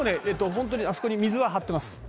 ホントにあそこに水は張ってます。